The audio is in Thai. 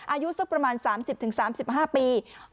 อายุสักประมาณ๓๐๓๕ปี